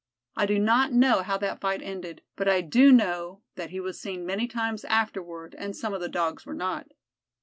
I do not know how that fight ended, but I do know that he was seen many times afterward and some of the Dogs were not.